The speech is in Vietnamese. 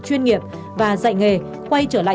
chuyên nghiệp và dạy nghề quay trở lại